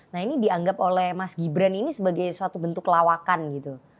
nah ini dianggap oleh mas gibran ini sebagai suatu bentuk lawakan gitu